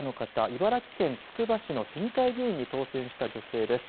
茨城県つくば市の市議会議員に当選した女性です。